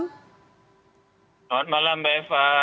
selamat malam mbak eva